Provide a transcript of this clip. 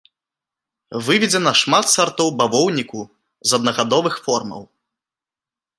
Выведзена шмат сартоў бавоўніку з аднагадовых формаў.